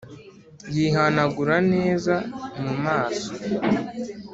yihanagura neza mumaso